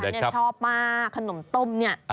ดิฉันชอบมากขนมต้มเนี่ย